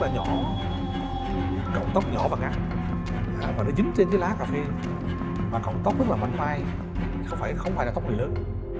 rất là nhỏ cọng tóc nhỏ và ngắt và nó dính trên cái lá cà phê và cọng tóc rất là mảnh mai không phải là tóc người lớn